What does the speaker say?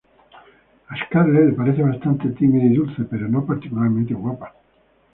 A Scarlett le parece bastante tímida y dulce pero no particularmente guapa.